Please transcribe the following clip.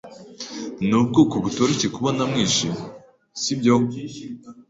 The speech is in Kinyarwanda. Nubwoko butoroshye kubona mwijimye, sibyo?